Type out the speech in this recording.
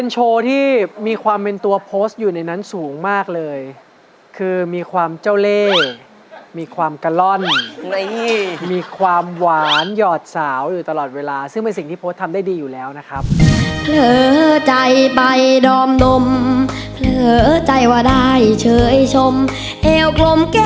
ยิ้มหวานในในละรายใจแม่ยกจริงค่ะ